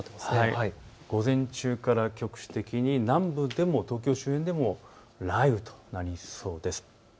午前中から局地的に南部でも東京周辺でも雷雨となりそうです。